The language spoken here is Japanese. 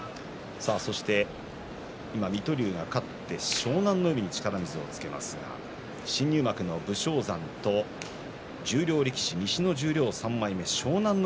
水戸龍が勝って湘南乃海に力水をつけますが新入幕の武将山と十両力士、西の十両３枚目湘南乃